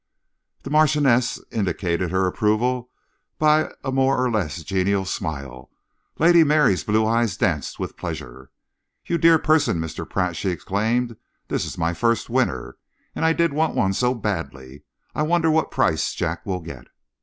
The Marchioness indicated her approval by a more or less genial smile. Lady Mary's blue eyes danced with pleasure. "You dear person, Mr. Pratt!" she exclaimed. "This is my first winner, and I did want one so badly. I wonder what price Jack will get."